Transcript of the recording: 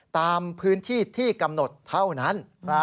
ตามพื้นที่ที่กำหนดเท่านั้น